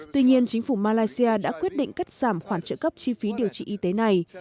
tuy nhiên chính phủ malaysia đã quyết định cắt giảm khoản trợ cấp chi phí điều trị y tế này